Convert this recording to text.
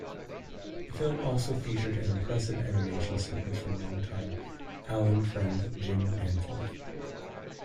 The film also featured an impressive animation sequence from long-time Allen friend Jim Danforth.